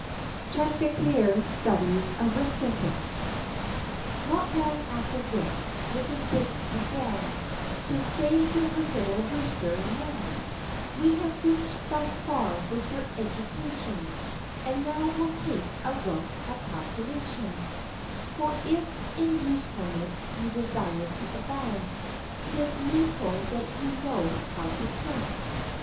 CHANTICLEER STUDIES ARITHMETIC. Not long after this, Mrs. Biddy began To say to her little rooster man, "We have reached thus far with your education, And now we'll take a look at calculation; For if in usefulness you desire to abound, It is needful that you know how to count.